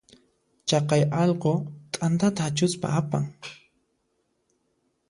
Chaqay allqu t'antata achuspa apan.